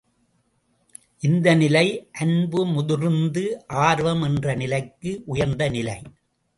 இந்த நிலை அன்புமுதிர்ந்து ஆர்வம் என்ற நிலைக்கு உயர்ந்த நிலை.